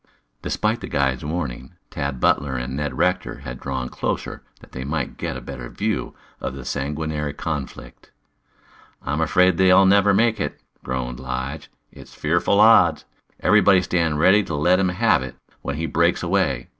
Despite the guide's warning, Tad Butler and Ned Rector had drawn closer that they might get a better view of the sanguinary conflict. "I'm afraid they'll never make it," groaned Lige. "It's fearful odds. Everybody stand ready to let him have it when he breaks away.